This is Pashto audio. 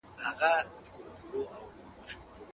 موږ ورزش کوو.